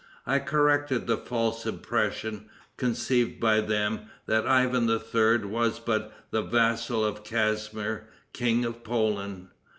I corrected the false impression, conceived by them, that Ivan III. was but the vassal of Casimir, King of Poland.